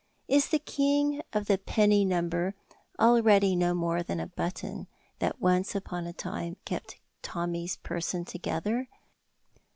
Is the king of the Penny Number already no more than a button that once upon a time kept Tommy's person together?